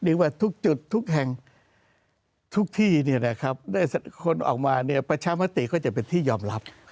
หรือว่าทุกจุดทุกแห่งทุกที่เนี่ยนะครับได้คนออกมาเนี่ยประชามติก็จะเป็นที่ยอมรับ